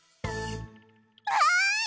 わい！